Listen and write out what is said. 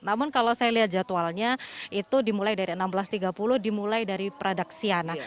namun kalau saya lihat jadwalnya itu dimulai dari enam belas tiga puluh dimulai dari pradaksiana